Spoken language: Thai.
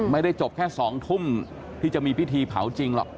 ไม่ได้จบแค่๒ทุ่มที่จะมีพิธีเผาจริงหรอก